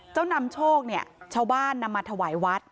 นำโชคเนี่ยชาวบ้านนำมาถวายวัด